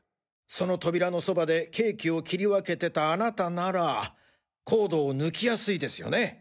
その扉のそばでケーキを切り分けてたあなたならコードを抜きやすいですよね？